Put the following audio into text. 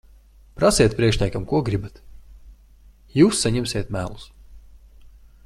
Prasiet priekšniekiem, ko gribat. Jūs saņemsiet melus.